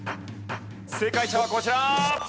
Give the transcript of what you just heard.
正解者はこちら！